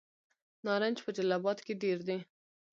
نارنج په جلال اباد کې ډیر دی.